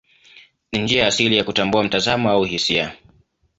Ni njia asili ya kutambua mtazamo au hisia.